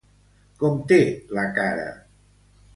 Com té la cara?